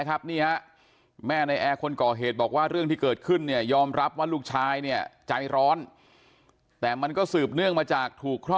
ของคนก่อเหตุนะครับนางวรรณเต็มส่งกลิ่นแม่ในแอร์